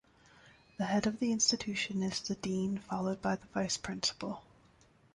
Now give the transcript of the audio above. The head of the institution is the dean followed by the vice-principal.